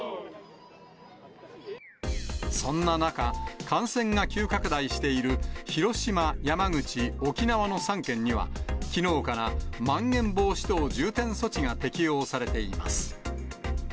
そんな中、感染が急拡大している広島、山口、沖縄の３県には、きのうから、まん延防止等重点措置が適用されています。